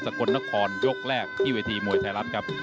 กลนครยกแรกที่เวทีมวยไทยรัฐครับ